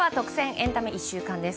エンタメ１週間です。